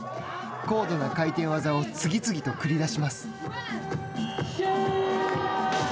高度な回転技を次々と繰り出します。